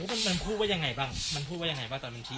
มันมันพูดว่ายังไงบ้างมันพูดว่ายังไงบ้างตอนมันชี้